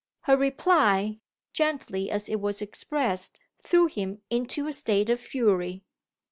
Her reply, gently as it was expressed, threw him into a state of fury.